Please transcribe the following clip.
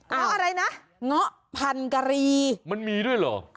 เพราะอะไรนะเงาะพันกะรีมันมีด้วยเหรอ